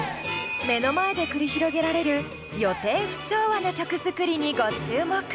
目の前で繰り広げられる予定不調和な曲作りにご注目！